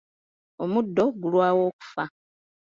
Omuddo gulwawo okufa.